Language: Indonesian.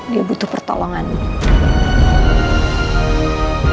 dia butuh pertolonganmu